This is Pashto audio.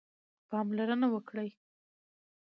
پاملرنه وکړئ